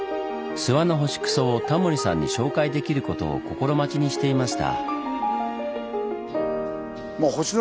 諏訪の星糞をタモリさんに紹介できることを心待ちにしていました。